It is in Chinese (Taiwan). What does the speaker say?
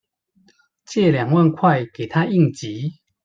借兩萬塊給她應急